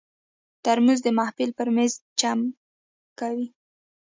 ترموز د محفل پر مېز چمک کوي.